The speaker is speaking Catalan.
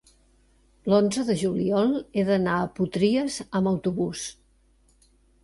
L'onze de juliol he d'anar a Potries amb autobús.